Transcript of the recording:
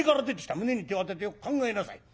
胸に手をあててよく考えなさい。